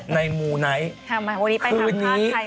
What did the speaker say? ในหมู่ไหนทั้งคู่นี้พันธุ์ที่มหาชาวมั้ยคะ